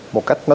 một cách nổi bật